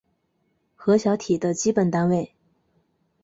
核小体的基本单位。